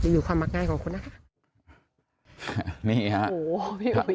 อยู่ความมักง่ายของคุณนะฮะนี่ฮะโอ้โหพี่อุ้ย